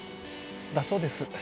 だそうです。